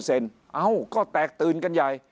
เอ้าก็แตกตื่นกันใหญ่